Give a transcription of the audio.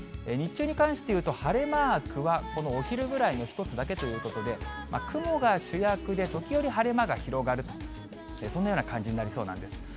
日中に関していうと、晴れマークはこのお昼ぐらいの１つだけということで、雲が主役で時折晴れ間が広がると、そんなような感じになりそうなんです。